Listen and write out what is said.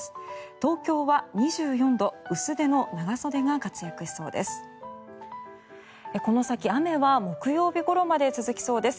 東京は２４度薄手の長袖が活躍しそうです。